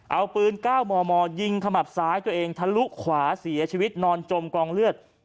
เอาปืน๙มมยิงขมับซ้ายตัวเองทะลุขวาเสียชีวิตนอนจมกองเลือด